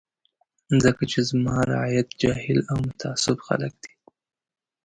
ځکه چې زما رعیت جاهل او متعصب خلک دي.